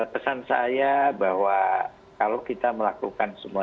pesan saya bahwa kalau kita melakukan semua